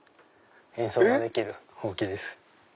演奏ができるホウキです。